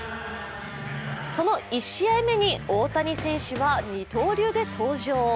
その１試合目に大谷選手は二刀流で登場。